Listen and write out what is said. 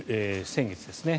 先月ですね。